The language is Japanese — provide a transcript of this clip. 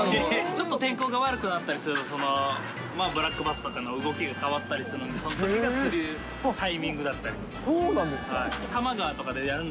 ちょっと天候が悪くなったりすると、ブラックバスとかの動きが変わったりするんで、そのときが釣るタイミングだったりする。